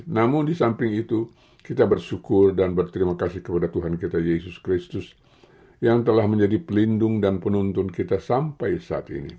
namun di samping itu kita bersyukur dan berterima kasih kepada tuhan kita yesus kristus yang telah menjadi pelindung dan penuntun kita sampai saat ini